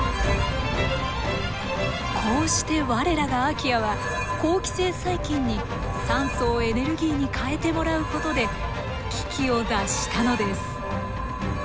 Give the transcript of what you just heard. こうして我らがアーキアは好気性細菌に酸素をエネルギーに変えてもらうことで危機を脱したのです。